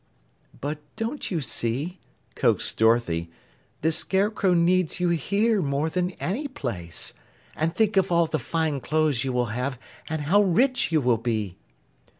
"But don't you see," coaxed Dorothy, "the Scarecrow needs you here more than anyplace, and think of all the fine clothes you will have and how rich you will be!"